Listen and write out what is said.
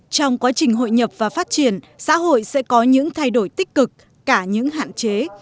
trong quá trình hội nhập và phát triển xã hội sẽ có những thay đổi tích cực cả những hạn chế